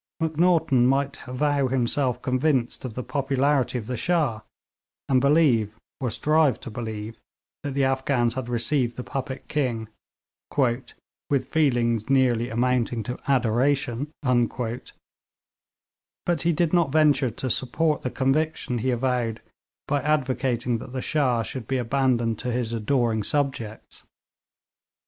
Macnaghten might avow himself convinced of the popularity of the Shah, and believe or strive to believe that the Afghans had received the puppet king 'with feelings nearly amounting to adoration,' but he did not venture to support the conviction he avowed by advocating that the Shah should be abandoned to his adoring subjects.